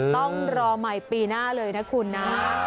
ต้องรอใหม่ปีหน้าเลยนะคุณนะ